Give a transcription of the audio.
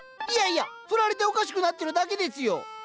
いやいやフラれておかしくなってるだけですよ。